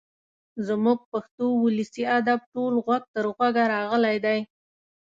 زموږ پښتو ولسي ادب ټول غوږ تر غوږه راغلی دی.